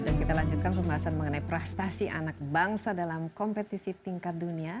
dan kita lanjutkan pembahasan mengenai prestasi anak bangsa dalam kompetisi tingkat dunia